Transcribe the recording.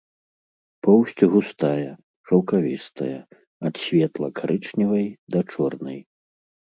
Поўсць густая, шаўкавістая, ад светла-карычневай да чорнай.